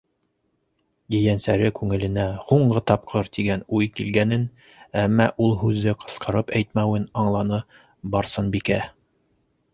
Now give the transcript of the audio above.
- Ейәнсәре күңеленә «һуңғы тапҡыр!» тигән уй килгәнен, әммә ул һүҙҙе ҡысҡырып әйтмәүен аңланы Барсынбикә.